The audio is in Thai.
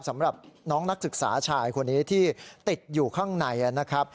สำหรับน้องนักศึกษาชายคนนี้ที่ติดอยู่ข้างในนะครับ